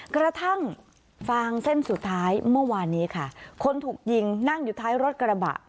กระทั่งฟางเส้นสุดท้ายเมื่อวานนี้ค่ะคนถูกยิงนั่งอยู่ท้ายรถกระบะ